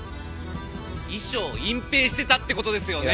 遺書を隠蔽してたって事ですよね？